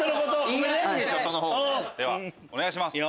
ではお願いします。